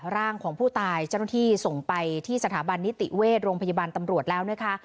ร่างของผู้ตายเจ้าหน้าที่ส่งไปที่สถาบันนิติเวชโรงพยาบาลตำรวจแล้วนะคะ